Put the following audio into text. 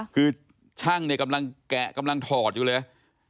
คือช่างเนี่ยกำลังแกะกำลังถอดอยู่เลย